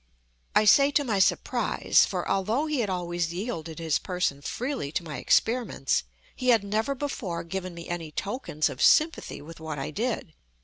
I say to my surprise, for, although he had always yielded his person freely to my experiments, he had never before given me any tokens of sympathy with what I did.